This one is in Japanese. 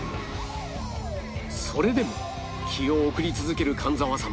それでも気を送り続ける神沢さん